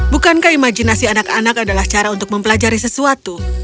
bukankah imajinasi anak anak adalah cara untuk mempelajari sesuatu